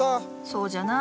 そうじゃな。